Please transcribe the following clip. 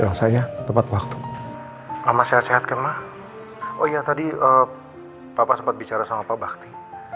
yang saya tepat waktu ama sehat sehat kema oh iya tadi op papa sempat bicara sama pak bakti